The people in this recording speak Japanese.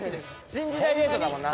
新時代デートだもんな。